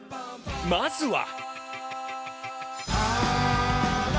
まずは。